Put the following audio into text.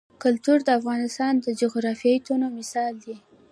کلتور د افغانستان د جغرافیوي تنوع مثال دی.